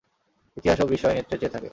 ইতিহাসও বিস্ময় নেত্রে চেয়ে থাকে।